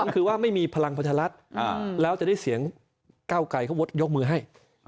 ๒๒คือว่าไม่มีพลังพชาลัดแล้วจะได้เสียง๙กลายเขาวดยกมือให้